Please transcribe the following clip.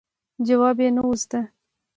ځواب یې نه و زده.